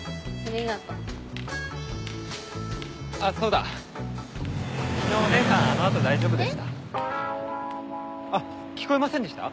えっ？あっ聞こえませんでした？